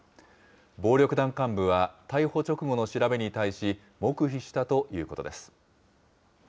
暴力団幹部は逮捕直後の調べに対し、黙秘したということです。